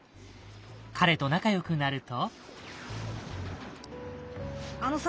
彼と仲良くなると。